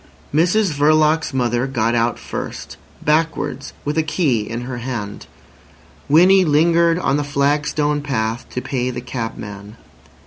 Mrs Verloc's mother got out first, backwards, with a key in her hand. Winnie lingered on the flagstone path to pay the cabman.